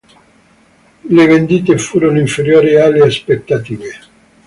Le vendite furono inferiori alle aspettative.